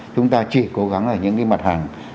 chúng ta chỉ cố gắng ở những cái mặt hàng